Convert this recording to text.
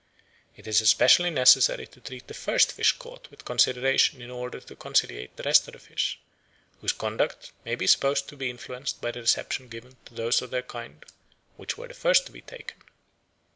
It is especially necessary to treat the first fish caught with consideration in order to conciliate the rest of the fish, whose conduct may be supposed to be influenced by the reception given to those of their kind which were the first to be taken.